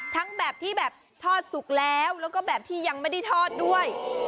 แบบที่แบบทอดสุกแล้วแล้วก็แบบที่ยังไม่ได้ทอดด้วย